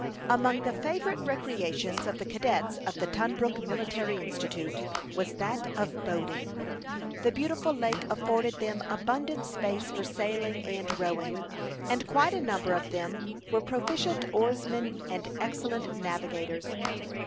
Among the favorite recreations of the cadets of the Tunbrook Military Institute was that of boating. The beautiful lake afforded them abundant space for sailing and rowing, and quite a number of them were proficient oarsmen and excellent navigators.